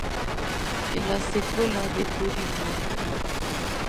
Es la secuela de Bloody Murder.